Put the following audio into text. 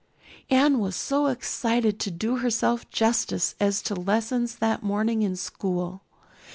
Anne was too excited to do herself justice as to lessons that morning in school.